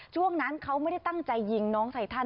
ช่วงนั้นเขาไม่ได้ตั้งใจยิงน้องไททัน